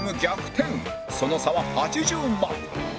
その差は８０万